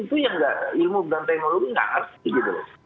itu yang ilmu berantai monologi nggak pasti gitu loh